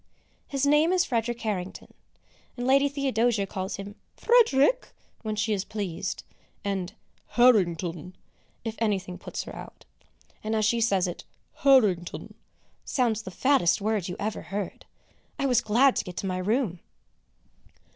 His name is Frederick Harrington, and Lady Theodosia calls him "Frederick" when she is pleased, and "Harrington" if anything puts her out. And as she says it, "Harrington" sounds the fattest word you ever heard. I was glad to get to my room!